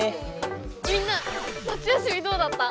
みんな夏休みどうだった？